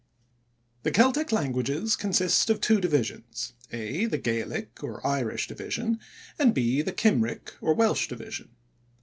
The Celtic languages consist of two divisions, (a) the Gaelic or Irish division, and (b) the Kymric or Welsh division.